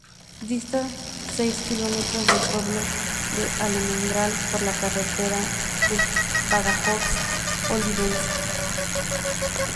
Dista seis kilómetros del pueblo de Almendral por la carretera de Badajoz a Olivenza.